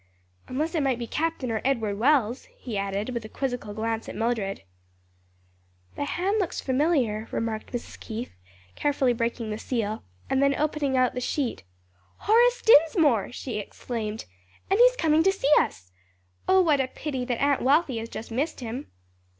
"Unless it might be Captain or Edward Wells," he added with a quizzical glance at Mildred. "The hand looks familiar," remarked Mrs. Keith carefully breaking the seal; then opening out the sheet, "Horace Dinsmore!" she exclaimed, "And he is coming to see us! Oh, what a pity that Aunt Wealthy has just missed him!"